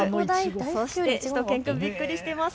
そしてしゅと犬くん、びっくりしています。